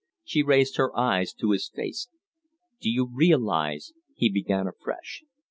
She raised her eyes to his face. "Do you realize ?" he began afresh.